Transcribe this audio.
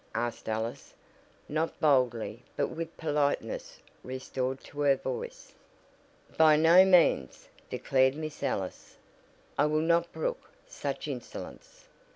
asked Alice, not boldly but with politeness restored to her voice. "By no means," declared Miss Ellis. "I will not brook such insolence."